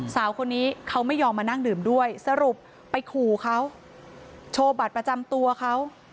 สาวคนนี้เขาไม่ยอมมานั่งดื่มด้วยสรุปไปขู่เขาโชว์บัตรประจำตัวเขา